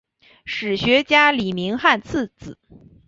史学家李铭汉次子。